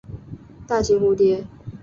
大型蝴蝶。